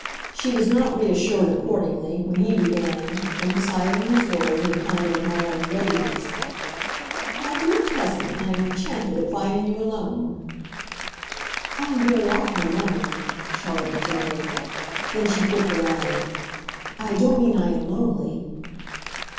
She was not reassured, accordingly, when he began, emphasizing his words with a kind of admiring radiance, "My dear cousin, I am enchanted at finding you alone." "I am very often alone," Charlotte observed. Then she quickly added, "I don't mean I am lonely!"